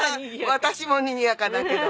私もにぎやかだけど。